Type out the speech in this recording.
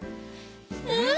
うん！